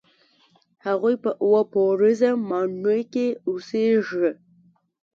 هغوی په اووه پوړیزه ماڼۍ کې اوسېږي.